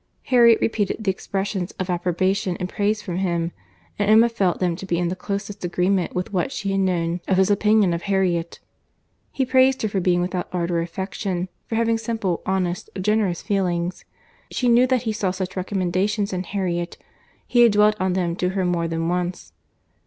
—Harriet repeated expressions of approbation and praise from him—and Emma felt them to be in the closest agreement with what she had known of his opinion of Harriet. He praised her for being without art or affectation, for having simple, honest, generous, feelings.—She knew that he saw such recommendations in Harriet; he had dwelt on them to her more than once.